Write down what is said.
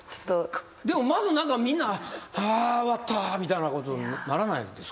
でもまずみんなハァ終わったみたいなことにならないですか？